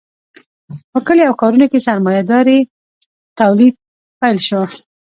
په کلیو او ښارونو کې سرمایه داري تولید پیل شو.